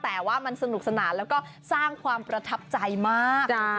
แต่ว่ามันสนุกสนานแล้วก็สร้างความประทับใจมาก